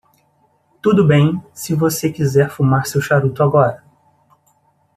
Tudo bem se você quiser fumar seu charuto agora.